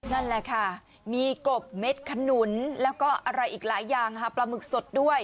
นั่นแหละค่ะมีกบเม็ดขนุนแล้วก็อะไรอีกหลายอย่างค่ะปลาหมึกสดด้วย